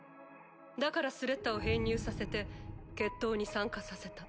だからスレッタを編入させて決闘に参加させた。